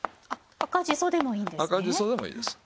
赤じそでもいいです。